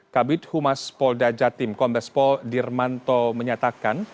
kabit humas polda jatim kombes pol dirmanto menyatakan